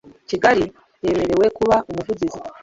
Kigali yemerewe kuba Umuvugizi